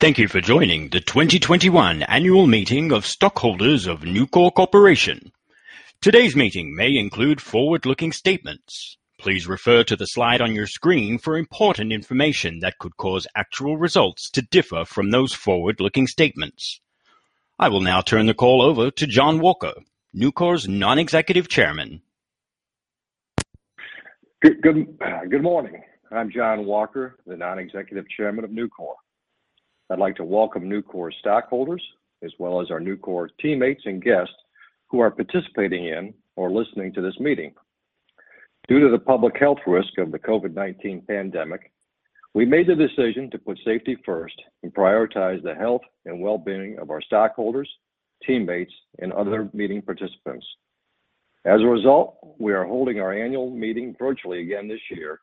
Thank you for joining the 2021 annual meeting of stockholders of Nucor Corporation. Today's meeting may include forward-looking statements. Please refer to the slide on your screen for important information that could cause actual results to differ from those forward-looking statements. I will now turn the call over to John Walker, Nucor's Non-Executive Chairman. Good morning. I'm John Walker, the Non-Executive Chairman of Nucor. I'd like to welcome Nucor's stockholders, as well as our Nucor teammates and guests who are participating in or listening to this meeting. Due to the public health risk of the COVID-19 pandemic, we made the decision to put safety first and prioritize the health and well-being of our stockholders, teammates, and other meeting participants. As a result, we are holding our annual meeting virtually again this year,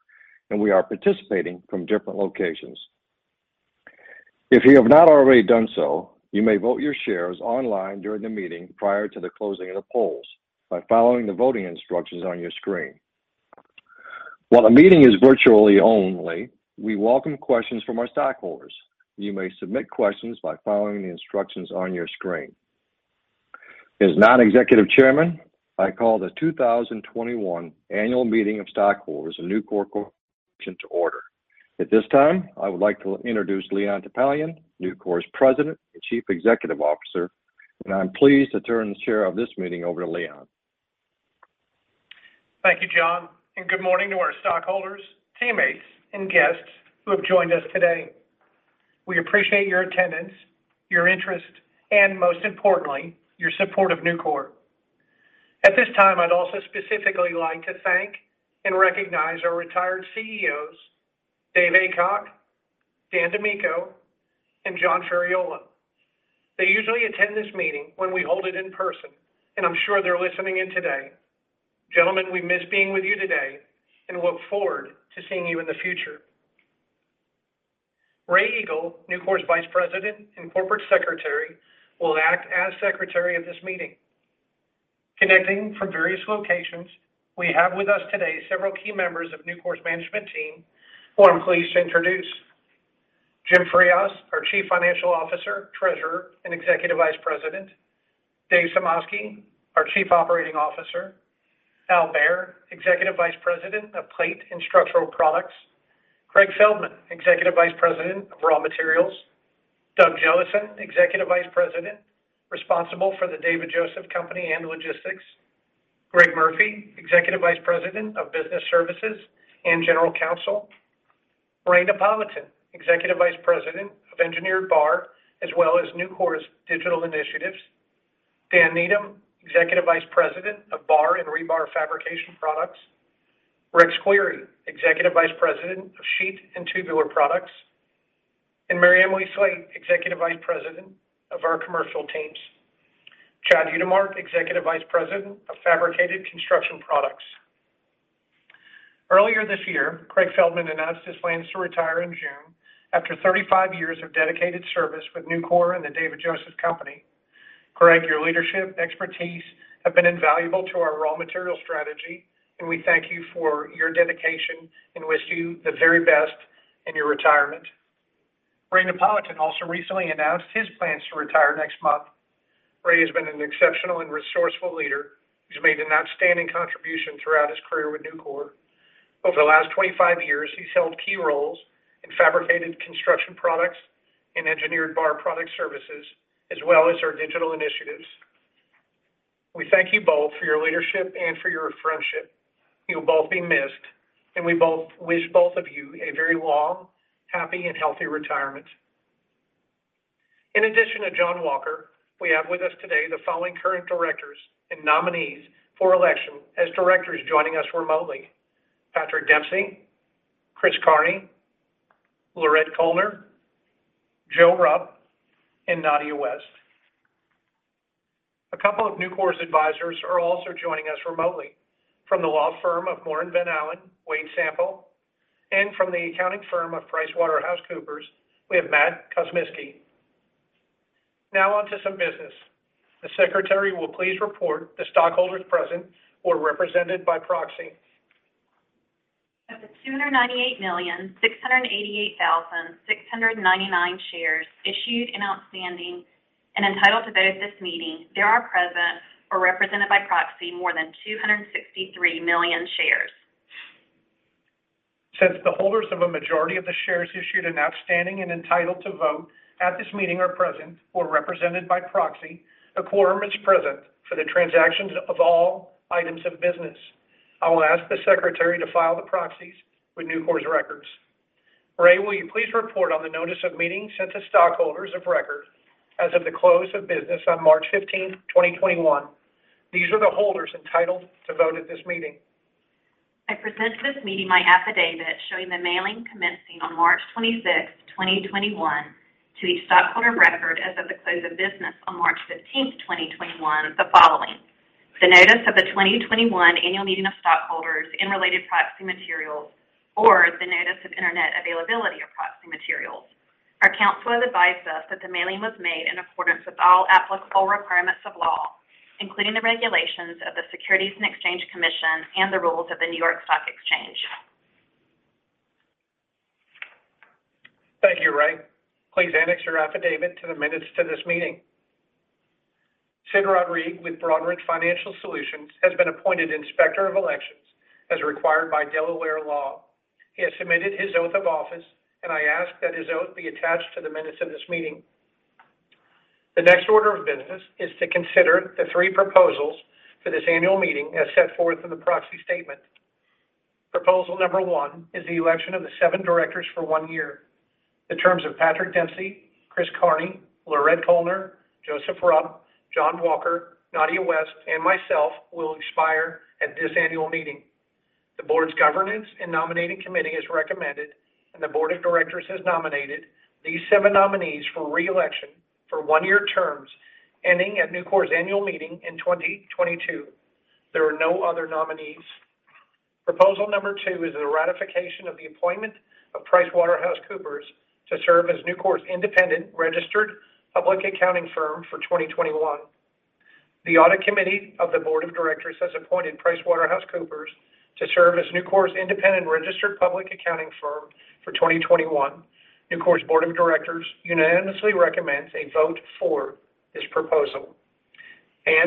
and we are participating from different locations. If you have not already done so, you may vote your shares online during the meeting prior to the closing of the polls by following the voting instructions on your screen. While the meeting is virtually only, we welcome questions from our stockholders. You may submit questions by following the instructions on your screen. As Non-Executive Chairman, I call the 2021 annual meeting of stockholders of Nucor Corporation to order. At this time, I would like to introduce Leon Topalian, Nucor's President and Chief Executive Officer, and I'm pleased to turn the chair of this meeting over to Leon. Thank you, John. Good morning to our stockholders, teammates, and guests who have joined us today. We appreciate your attendance, your interest, and most importantly, your support of Nucor. At this time, I'd also specifically like to thank and recognize our retired CEOs, David Aycock, Dan DiMicco, and John Ferriola. They usually attend this meeting when we hold it in person, and I'm sure they're listening in today. Gentlemen, we miss being with you today and look forward to seeing you in the future. Rae Eagle, Nucor's Vice President and Corporate Secretary, will act as Secretary of this meeting. Connecting from various locations, we have with us today several key members of Nucor's management team who I'm pleased to introduce. James D. Frias, our Chief Financial Officer, Treasurer, and Executive Vice President. David A. Sumoski, our Chief Operating Officer. Allen C. Behr, Executive Vice President of Plate and Structural Products. Craig Feldman, Executive Vice President of Raw Materials. Doug Jellison, Executive Vice President responsible for The David Joseph Company and Logistics. Greg Murphy, Executive Vice President of Business Services and General Counsel. Ray Napolitan, Executive Vice President of Engineered Bar, as well as Nucor's digital initiatives. Dan Needham, Executive Vice President of Bar and Rebar Fabrication Products. Rex Query, Executive Vice President of Sheet and Tubular Products. MaryEmily Slate, Executive Vice President of our commercial teams. Chad Utermark, Executive Vice President of Fabricated Construction Products. Earlier this year, Craig Feldman announced his plans to retire in June after 35 years of dedicated service with Nucor and The David Joseph Company. Craig, your leadership and expertise have been invaluable to our raw material strategy, and we thank you for your dedication and wish you the very best in your retirement. Ray Napolitan also recently announced his plans to retire next month. Ray has been an exceptional and resourceful leader who's made an outstanding contribution throughout his career with Nucor. Over the last 25 years, he's held key roles in Fabricated Construction Products and Engineered Bar Products and Digital, as well as our digital initiatives. We thank you both for your leadership and for your friendship. You'll both be missed, and we both wish both of you a very long, happy, and healthy retirement. In addition to John Walker, we have with us today the following current directors and nominees for election as directors joining us remotely. Patrick Dempsey, Chris Kearney, Laurette Koellner, Joe Rupp, and Nadja West. A couple of Nucor's advisors are also joining us remotely. From the law firm of Moore & Van Allen, Wade Sample. From the accounting firm of PricewaterhouseCoopers, we have Matt Kuzmiski. Now on to some business. The secretary will please report the stockholders present or represented by proxy. Of the 298,688,699 shares issued and outstanding and entitled to vote at this meeting, there are present or represented by proxy more than 263 million shares. Since the holders of a majority of the shares issued and outstanding and entitled to vote at this meeting are present or represented by proxy, a quorum is present for the transactions of all items of business. I will ask the secretary to file the proxies with Nucor's records. Rae, will you please report on the notice of meeting sent to stockholders of record as of the close of business on March 15th, 2021? These are the holders entitled to vote at this meeting. I present to this meeting my affidavit showing the mailing commencing on March 26th, 2021, to the stockholder of record as of the close of business on March 15th, 2021, of the following. The notice of the 2021 annual meeting of stockholders and related proxy materials, or the notice of Internet availability of proxy materials. Our counsel has advised us that the mailing was made in accordance with all applicable requirements of law, including the regulations of the Securities and Exchange Commission and the rules of the New York Stock Exchange. Thank you, Rae. Please annex your affidavit to the minutes of this meeting. Sid Rodriguez with Broadridge Financial Solutions has been appointed Inspector of Elections as required by Delaware law. He has submitted his oath of office, and I ask that his oath be attached to the minutes of this meeting. The next order of business is to consider the three proposals for this annual meeting as set forth in the proxy statement. Proposal number one is the election of the seven directors for one year. The terms of Patrick Dempsey, Chris Kearney, Laurette Koellner, Joseph Rupp, John Walker, Nadja West, and myself will expire at this annual meeting. The board's Governance and Nominating Committee has recommended, and the board of directors has nominated, these seven nominees for re-election for one-year terms ending at Nucor's annual meeting in 2022. There are no other nominees. Proposal number two is the ratification of the appointment of PricewaterhouseCoopers to serve as Nucor's independent registered public accounting firm for 2021. The Audit Committee of the board of directors has appointed PricewaterhouseCoopers to serve as Nucor's independent registered public accounting firm for 2021. Nucor's board of directors unanimously recommends a vote for this proposal.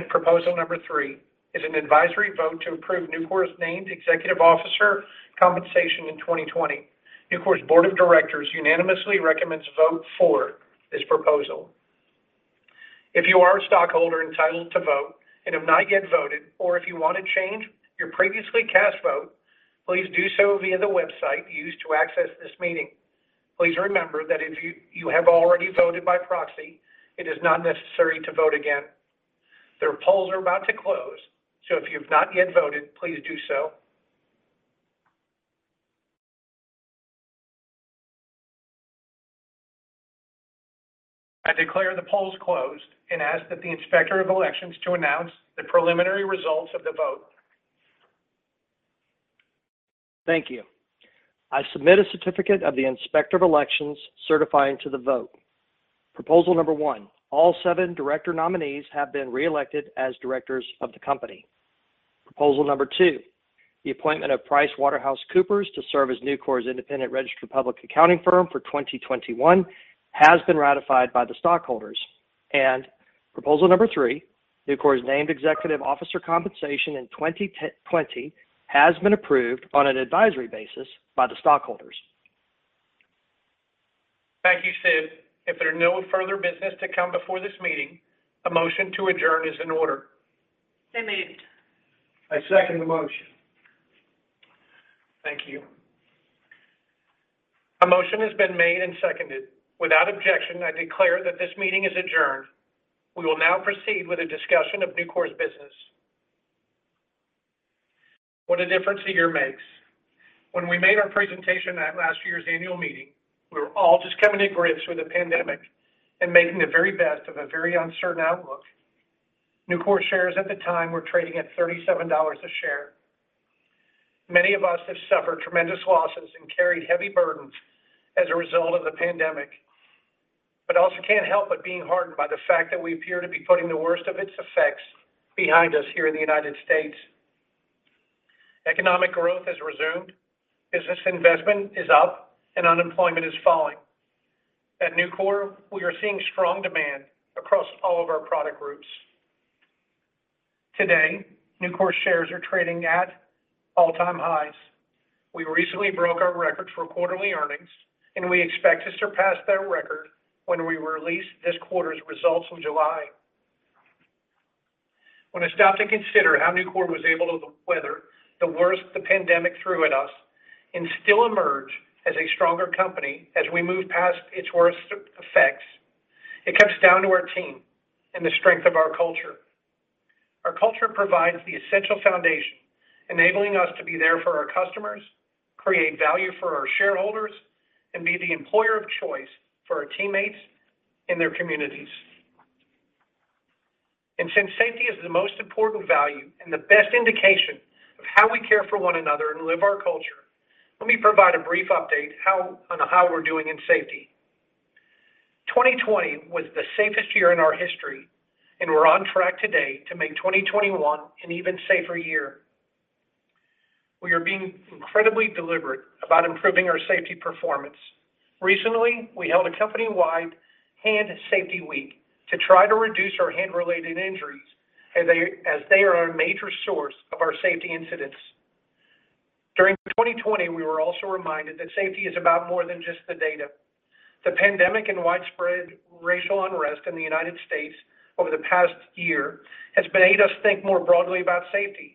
Proposal number three is an advisory vote to approve Nucor's named executive officer compensation in 2020. Nucor's board of directors unanimously recommends a vote for this proposal. If you are a stockholder entitled to vote and have not yet voted, or if you want to change your previously cast vote, please do so via the website used to access this meeting. Please remember that if you have already voted by proxy, it is not necessary to vote again. The polls are about to close, so if you've not yet voted, please do so. I declare the polls closed and ask that the Inspector of Elections to announce the preliminary results of the vote. Thank you. I submit a certificate from the Inspector of Elections certifying to the vote. Proposal number one: all seven director nominees have been re-elected as directors of the company. Proposal number two, the appointment of PricewaterhouseCoopers to serve as Nucor's independent registered public accounting firm for 2021, has been ratified by the stockholders. Proposal number three, Nucor's named executive officer compensation in 2020, has been approved on an advisory basis by the stockholders. Thank you, Sid. If there is no further business to come before this meeting, a motion to adjourn is in order. So moved. I second the motion. Thank you. A motion has been made and seconded. Without objection, I declare that this meeting is adjourned. We will now proceed with a discussion of Nucor's business. What a difference a year makes. When we made our presentation at last year's annual meeting, we were all just coming to grips with the pandemic and making the very best of a very uncertain outlook. Nucor shares at the time were trading at $37 a share. Many of us have suffered tremendous losses and carried heavy burdens as a result of the pandemic, but also can't help but be heartened by the fact that we appear to be putting the worst of its effects behind us here in the U.S. Economic growth has resumed, business investment is up, and unemployment is falling. At Nucor, we are seeing strong demand across all of our product groups. Today, Nucor shares are trading at all-time highs. We recently broke our records for quarterly earnings, and we expect to surpass that record when we release this quarter's results in July. When I stop to consider how Nucor was able to weather the worst the pandemic threw at us and still emerge as a stronger company as we move past its worst effects, it comes down to our team and the strength of our culture. Our culture provides the essential foundation, enabling us to be there for our customers, create value for our shareholders, and be the employer of choice for our teammates and their communities. Since safety is the most important value and the best indication of how we care for one another and live our culture, let me provide a brief update on how we're doing in safety. 2020 was the safest year in our history, and we're on track today to make 2021 an even safer year. We are being incredibly deliberate about improving our safety performance. Recently, we held a company-wide Hand Safety Week to try to reduce our hand-related injuries, as they are a major source of our safety incidents. During 2020, we were also reminded that safety is about more than just the data. The pandemic and widespread racial unrest in the U.S. over the past year have made us think more broadly about safety.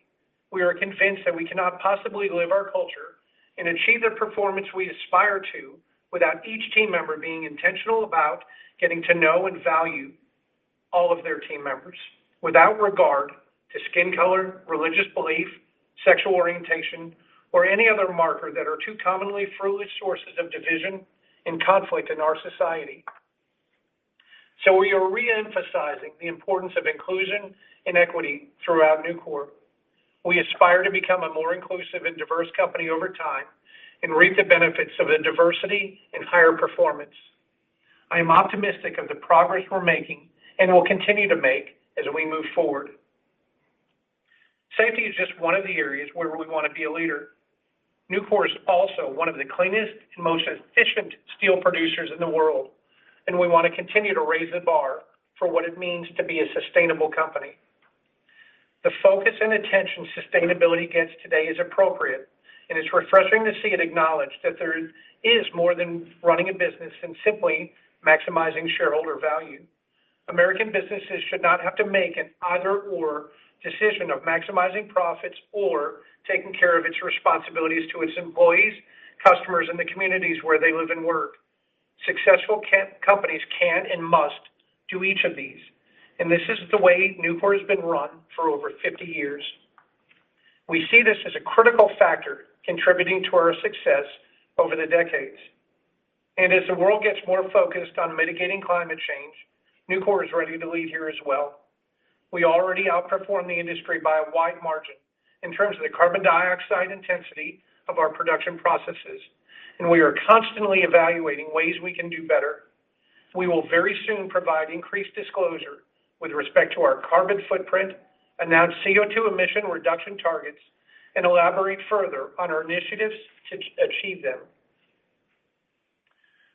We are convinced that we cannot possibly live our culture and achieve the performance we aspire to without each team member being intentional about getting to know and value all of their team members without regard to skin color, religious belief, sexual orientation, or any other marker that is too commonly a fruitful source of division and conflict in our society. We are re-emphasizing the importance of inclusion and equity throughout Nucor. We aspire to become a more inclusive and diverse company over time and reap the benefits of the diversity and higher performance. I am optimistic of the progress we're making and will continue to make as we move forward. Safety is just one of the areas where we want to be a leader. Nucor is also one of the cleanest and most efficient steel producers in the world, and we want to continue to raise the bar for what it means to be a sustainable company. The focus and attention sustainability gets today is appropriate, and it's refreshing to see it acknowledged that there is more than running a business and simply maximizing shareholder value. American businesses should not have to make an either/or decision of maximizing profits or taking care of their responsibilities to their employees, customers, and the communities where they live and work. Successful companies can and must do each of these, and this is the way Nucor has been run for over 50 years. We see this as a critical factor contributing to our success over the decades. As the world gets more focused on mitigating climate change, Nucor is ready to lead here as well. We already outperform the industry by a wide margin in terms of the carbon dioxide intensity of our production processes, and we are constantly evaluating ways we can do better. We will very soon provide increased disclosure with respect to our carbon footprint, announce CO2 emission reduction targets, and elaborate further on our initiatives to achieve them.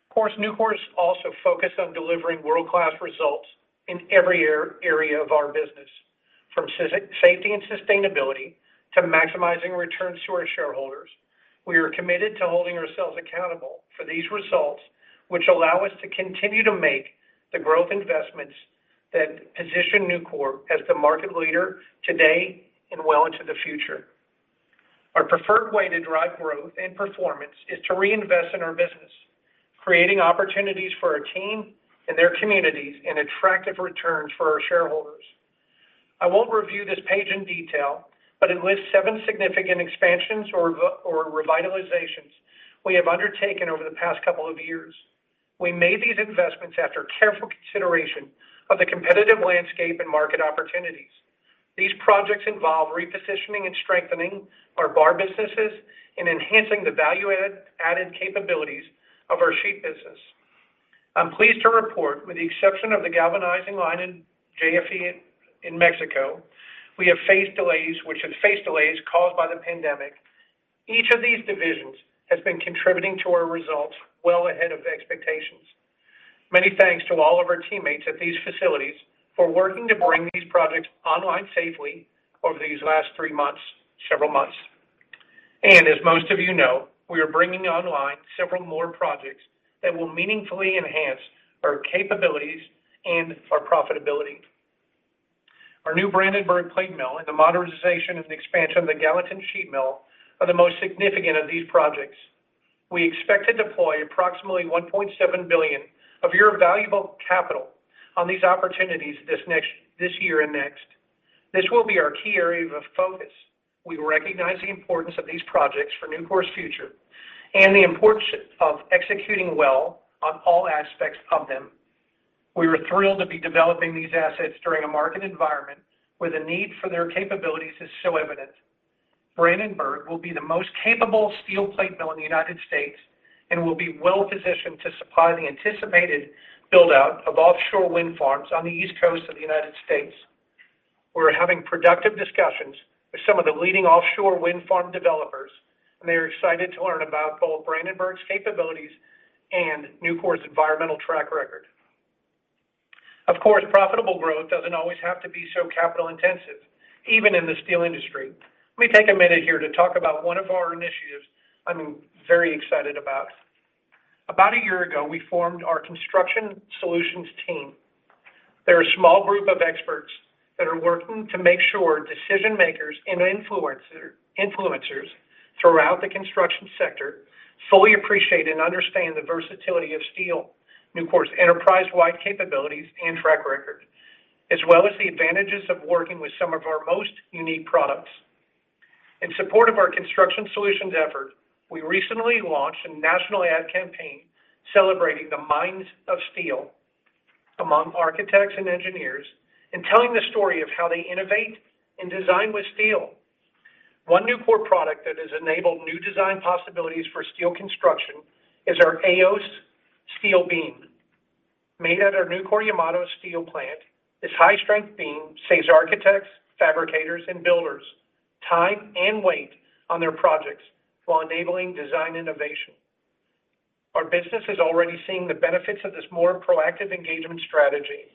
Of course, Nucor is also focused on delivering world-class results in every area of our business, from safety and sustainability to maximizing returns to our shareholders. We are committed to holding ourselves accountable for these results, which allow us to continue to make the growth investments that position Nucor as the market leader today and well into the future. Our preferred way to drive growth and performance is to reinvest in our business, creating opportunities for our team and their communities and attractive returns for our shareholders. I won't review this page in detail, but it lists seven significant expansions or revitalizations we have undertaken over the past couple of years. We made these investments after careful consideration of the competitive landscape and market opportunities. These projects involve repositioning and strengthening our bar businesses and enhancing the value-added capabilities of our sheet business. I'm pleased to report, with the exception of the galvanizing line in JFE in Mexico, we have faced delays caused by the pandemic. Each of these divisions has been contributing to our results well ahead of expectations. Many thanks to all of our teammates at these facilities for working to bring these projects online safely over these last several months. As most of you know, we are bringing online several more projects that will meaningfully enhance our capabilities and our profitability. Our new Brandenburg plate mill and the modernization and expansion of the Gallatin sheet mill are the most significant of these projects. We expect to deploy approximately $1.7 billion of your valuable capital on these opportunities this year and next. This will be our key area of focus. We recognize the importance of these projects for Nucor's future and the importance of executing well on all aspects of them. We are thrilled to be developing these assets during a market environment where the need for their capabilities is so evident. Brandenburg will be the most capable steel plate mill in the United States and will be well-positioned to supply the anticipated build-out of offshore wind farms on the East Coast of the United States. We're having productive discussions with some of the leading offshore wind farm developers, and they are excited to learn about both Brandenburg's capabilities and Nucor's environmental track record. Of course, profitable growth doesn't always have to be so capital intensive, even in the steel industry. Let me take a minute here to talk about one of our initiatives I'm very excited about. About a year ago, we formed our Construction Solutions team. They're a small group of experts that are working to make sure decision-makers and influencers throughout the construction sector fully appreciate and understand the versatility of steel and Nucor's enterprise-wide capabilities and track record, as well as the advantages of working with some of our most unique products. In support of our Construction Solutions effort, we recently launched a national ad campaign celebrating the minds of steel among architects and engineers in telling the story of how they innovate and design with steel. One Nucor product that has enabled new design possibilities for steel construction is our AEOS steel beam. Made at our Nucor-Yamato steel plant, this high-strength beam saves architects, fabricators, and builders time and weight on their projects while enabling design innovation. Our business is already seeing the benefits of this more proactive engagement strategy.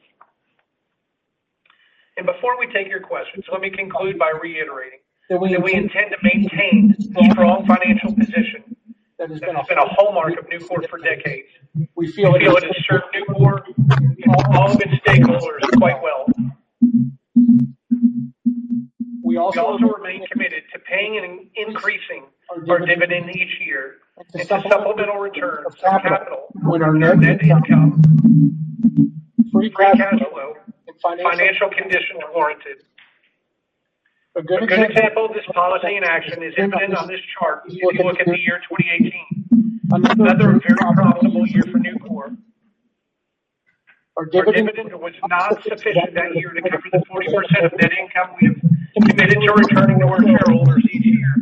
Before we take your questions, let me conclude by reiterating that we intend to maintain the strong financial position that has been a hallmark of Nucor for decades. We feel it has served Nucor and all of its stakeholders quite well. We also remain committed to paying and increasing our dividend each year as a supplemental return of capital when our net income, free cash flow, and financial conditions warrant it. A good example of this policy in action is evident on this chart if you look at the year 2018, another very profitable year for Nucor. Our dividend was not sufficient that year to cover the 40% of net income we have committed to returning to our shareholders each year.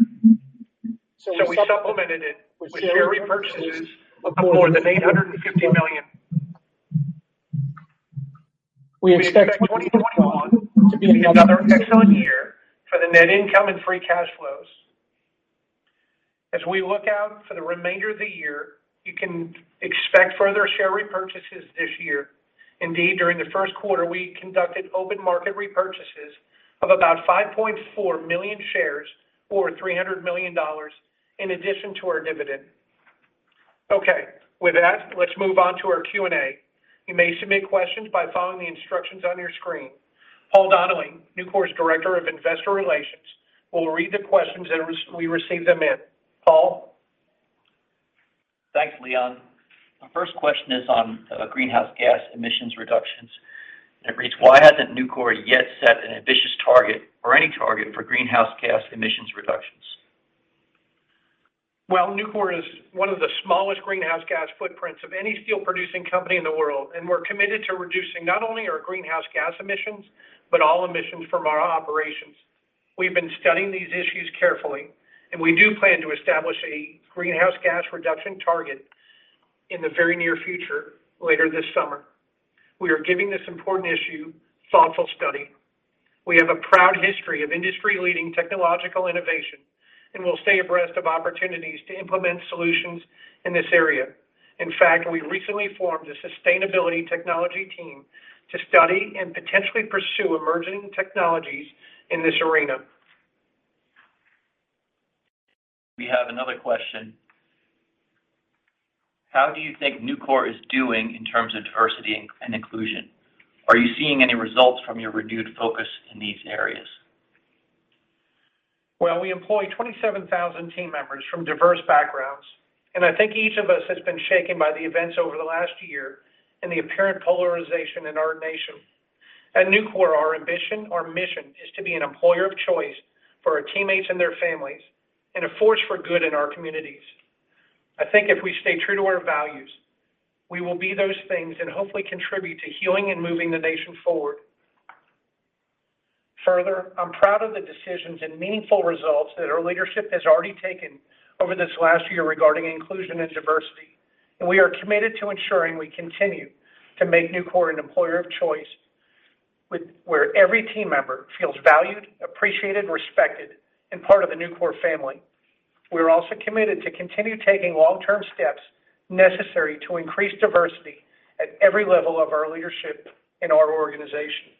We supplemented it with share repurchases of more than $850 million. We expect 2021 to be another excellent year for the net income and free cash flows. As we look out for the remainder of the year, you can expect further share repurchases this year. Indeed, during the first quarter, we conducted open market repurchases of about 5.4 million shares, or $300 million, in addition to our dividend. Okay. With that, let's move on to our Q&A. You may submit questions by following the instructions on your screen. Paul Donnelly, Nucor's Director of Investor Relations, will read the questions as we receive them in. Paul? Thanks, Leon. Our first question is on greenhouse gas emissions reductions, and it reads, "Why hasn't Nucor yet set an ambitious target or any target for greenhouse gas emissions reductions? Nucor has one of the smallest greenhouse gas footprints of any steel-producing company in the world, and we're committed to reducing not only our greenhouse gas emissions but all emissions from our operations. We've been studying these issues carefully, and we do plan to establish a greenhouse gas reduction target in the very near future, later this summer. We are giving this important issue thoughtful study. We have a proud history of industry-leading technological innovation, and we'll stay abreast of opportunities to implement solutions in this area. In fact, we recently formed a sustainability technology team to study and potentially pursue emerging technologies in this arena. We have another question. How do you think Nucor is doing in terms of diversity and inclusion? Are you seeing any results from your renewed focus in these areas? Well, we employ 27,000 team members from diverse backgrounds, and I think each of us has been shaken by the events over the last year and the apparent polarization in our nation. At Nucor, our ambition, our mission, is to be an employer of choice for our teammates and their families, and a force for good in our communities. I think if we stay true to our values, we will be those things and hopefully contribute to healing and moving the nation forward. Further, I'm proud of the decisions and meaningful results that our leadership has already taken over this last year regarding inclusion and diversity, and we are committed to ensuring we continue to make Nucor an employer of choice, where every team member feels valued, appreciated, respected, and part of the Nucor family. We are also committed to continue taking long-term steps necessary to increase diversity at every level of our leadership in our organization.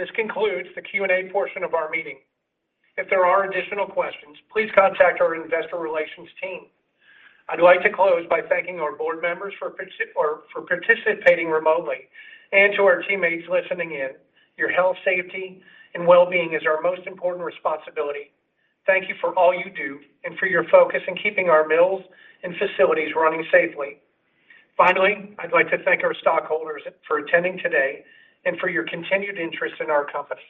This concludes the Q&A portion of our meeting. If there are additional questions, please contact our investor relations team. I'd like to close by thanking our board members for participating remotely, and to our teammates listening in, your health, safety, and wellbeing is our most important responsibility. Thank you for all you do and for your focus in keeping our mills and facilities running safely. Finally, I'd like to thank our stockholders for attending today and for your continued interest in our company.